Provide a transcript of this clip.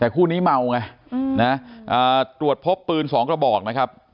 แต่คู่นี้เมาไงนะตรวจพบปืน๒กระบอกนะครับ